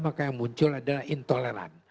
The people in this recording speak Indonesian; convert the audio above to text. maka yang muncul adalah intoleran